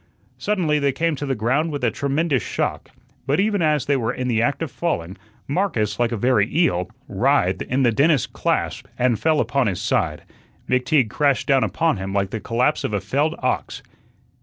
Suddenly they came to the ground with a tremendous shock. But even as they were in the act of falling, Marcus, like a very eel, writhed in the dentist's clasp and fell upon his side. McTeague crashed down upon him like the collapse of a felled ox.